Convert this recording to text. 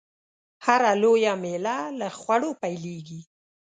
هره لويه میله له خوړو پیلېږي.